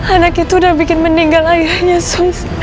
anak itu udah bikin meninggal ayahnya